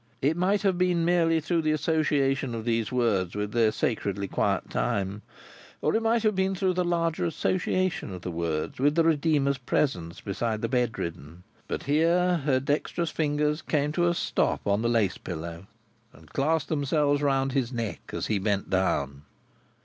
It might have been merely through the association of these words with their sacredly quiet time, or it might have been through the larger association of the words with the Redeemer's presence beside the bedridden; but here her dexterous fingers came to a stop on the lace pillow, and clasped themselves round his neck as he bent down.